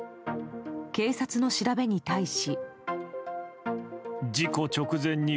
警察の調べに対し。